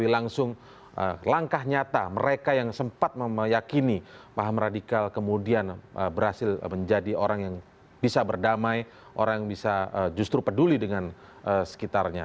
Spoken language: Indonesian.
ini langsung langkah nyata mereka yang sempat meyakini paham radikal kemudian berhasil menjadi orang yang bisa berdamai orang yang bisa justru peduli dengan sekitarnya